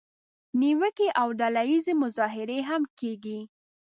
نیوکې او ډله اییزه مظاهرې هم کیږي.